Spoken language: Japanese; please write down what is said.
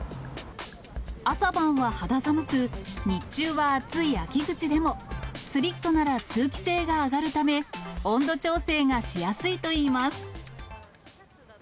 朝晩は肌寒く、日中は暑い秋口でも、スリットなら通気性が上がるため、温度調整がしやすいといいます。